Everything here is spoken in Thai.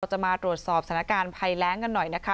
จะมาตรวจสอบสถานการณ์ภัยแรงกันหน่อยนะคะ